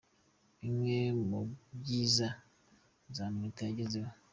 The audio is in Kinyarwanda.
Bimwe mu byiza Nzamwita yagezeho :.